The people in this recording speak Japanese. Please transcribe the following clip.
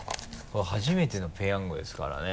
初めての「ペヤング」ですからね。